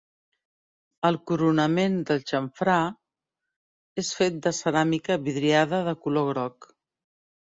El coronament del xamfrà és fet de ceràmica vidriada de color groc.